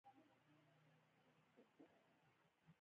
په پخوا وخت کې انسان یو بېارزښته موجود و.